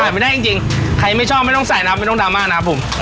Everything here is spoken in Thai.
ไม่ได้จริงใครไม่ชอบไม่ต้องใส่น้ำไม่ต้องดราม่านะครับผม